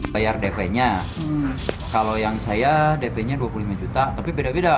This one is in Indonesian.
bayar dp nya kalau yang saya dp nya dua puluh lima juta tapi beda beda